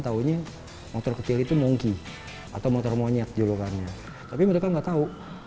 taunya motor kecil itu monkey atau motor monyet julukannya tapi mereka enggak tahu